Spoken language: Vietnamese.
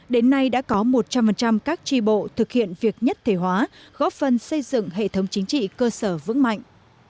đến nay đã có một trăm linh các tri bộ thực hiện việc nhất thể hóa góp phần xây dựng hệ thống chính trị cơ sở vững mạnh